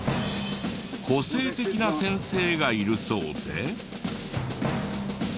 個性的な先生がいるそうで。